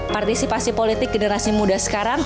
partisipasi politik generasi muda sekarang